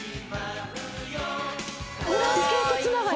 ローラースケートつながり。